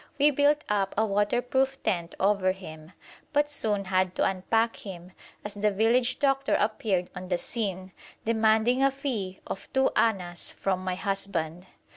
We built up a waterproof tent over him, but soon had to unpack him, as the village doctor appeared on the scene, demanding a fee of two annas from my husband.